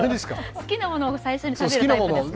好きなものを最初に食べるんですか？